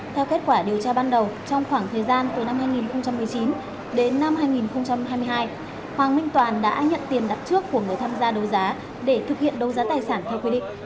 theo kết quả điều tra ban đầu trong khoảng thời gian từ năm hai nghìn một mươi chín đến năm hai nghìn hai mươi hai hoàng minh toàn đã nhận tiền đặt trước của người tham gia đấu giá để thực hiện đấu giá tài sản theo quy định